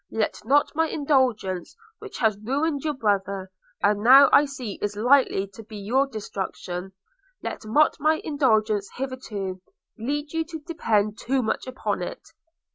– Let not my indulgence, which has ruined your brother, and now I see is likely to be your destruction; let not my indulgence hitherto, lead you to depend too much upon it.